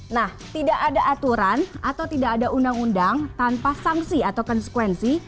nah tidak ada aturan atau tidak ada undang undang tanpa sanksi atau konsekuensi